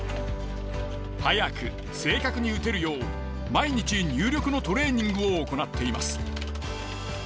速く正確に打てるよう毎日入力のトレーニングを行っています。